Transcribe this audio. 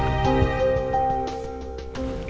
gak apa apa kamu itu lagi sakit